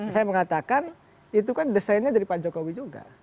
saya mengatakan itu kan desainnya dari pak jokowi juga